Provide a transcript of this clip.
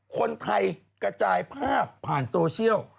คนไทยกระจายภาพผ่านโซเชียล